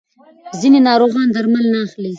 ځینې ناروغان درمل نه اخلي.